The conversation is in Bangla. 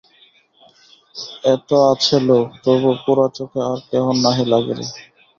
এত আছে লোক, তবু পোড়া চোখে আর কেহ নাহি লাগে রে!